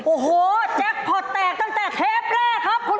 โอ้โหแจ็คพอร์ตแตกตั้งแต่เทปแรกครับคุณ